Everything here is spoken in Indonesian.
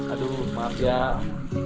aduh mahke ikan